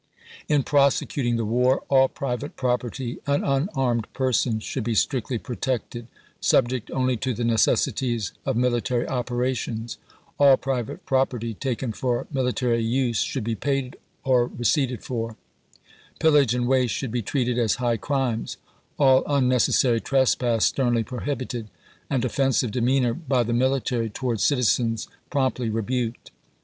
In prosecuting the war all private property and unarmed persons should be strictly protected, subject only to the necessities of military operations ; all private property taken for military use should be paid or receipted for ; piUage and waste should be treated as high crimes, aU unnecessary trespass sternly prohibited, and offensive demeanor by the military towards citizens promptly rebuked.